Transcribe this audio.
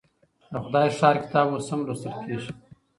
د خدای ښار کتاب اوس هم لوستل کيږي.